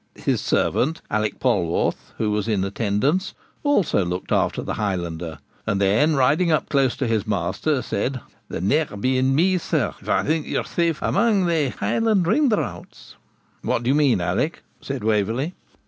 His servant, Alick Polwarth, who was in attendance, also looked after the Highlander, and then riding up close to his master, said, 'The ne'er be in me, sir, if I think you're safe amang thae Highland rinthereouts.' 'What do you mean, Alick?' said Waverley.